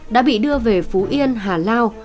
đã bị đưa về phú yên hà lao